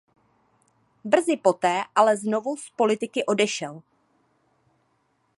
Brzy poté ale znovu z politiky odešel.